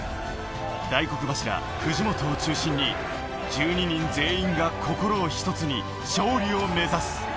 大黒柱・藤本を中心に１２人全員が心を一つに勝利を目指す。